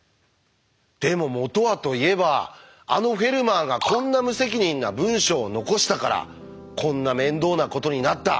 でも元はといえばあのフェルマーがこんな無責任な文章を残したからこんな面倒なことになった！